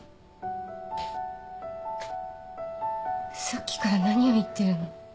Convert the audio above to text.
さっきから何を言ってるの？